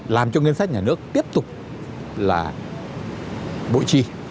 làm cho ngân sách nhà nước tiếp tục là bộ trì